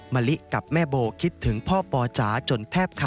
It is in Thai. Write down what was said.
มะลิกับแม่โบคิดถึงพ่อปอจ๋าจนแทบขาด